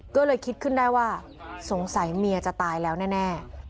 ก็เลยคิดขึ้นได้ว่าสงสัยเมียจะตายแล้วแน่